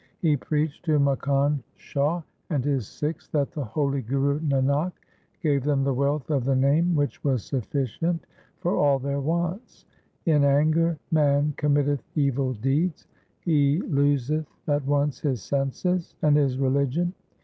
He preached to Makkhan Shah and his Sikhs that the holy Guru Nanak gave them the wealth of the Name which was sufficient for all their wants —' In anger man committeth evil deeds. He loseth at once his senses and his religion.